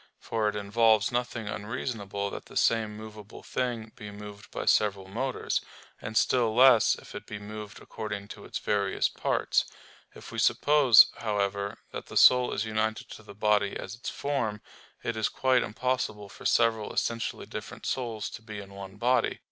For it involves nothing unreasonable that the same movable thing be moved by several motors; and still less if it be moved according to its various parts. If we suppose, however, that the soul is united to the body as its form, it is quite impossible for several essentially different souls to be in one body.